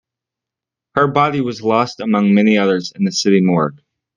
Her body was lost among the many others in the city morgue.